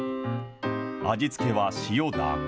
味付けは塩だけ。